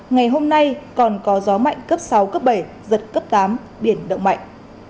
ngày hôm nay còn có gió mạnh cấp sáu cấp bảy giật cấp tám biển động mạnh